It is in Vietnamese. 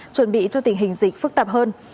chuẩn bị cho tình hình dịch phức tạp hơn